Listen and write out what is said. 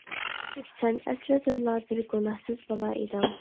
سەن ئەسلىدىنلا بىر گۇناھسىز بالا ئىدىڭ.